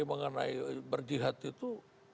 mengenai berjihad itu